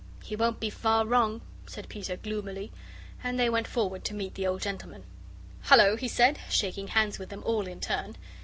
"He won't be far wrong," said Peter, gloomily. And they went forward to meet the old gentleman. "Hullo," he said, shaking hands with them all in turn.